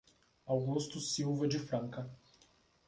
Augusto Silva de Franca